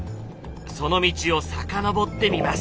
その道を遡ってみます。